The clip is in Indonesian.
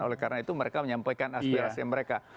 oleh karena itu mereka menyampaikan aspirasi mereka